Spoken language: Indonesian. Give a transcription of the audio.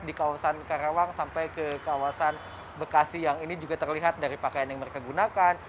di kawasan karawang sampai ke kawasan bekasi yang ini juga terlihat dari pakaian yang mereka gunakan